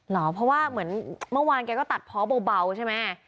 เพราะว่าเหมือนเมื่อวานแกก็ตัดเพาะเบาใช่ไหม